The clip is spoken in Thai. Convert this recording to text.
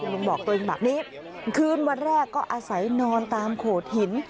ลุงบอกตัวเองแบบนี้คืนวันแรกก็อาศัยนอนตามโขดหิน